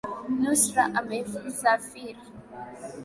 Nusra amesafiri